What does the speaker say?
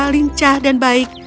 lincah dan baik